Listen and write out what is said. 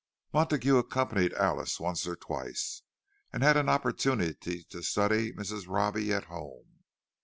Montague accompanied Alice once or twice, and had an opportunity to study Mrs. Robbie at home.